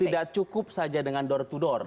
tidak cukup saja dengan door to door